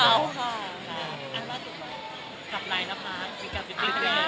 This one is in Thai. เอาถ้าจุดใดหนักไขมันมา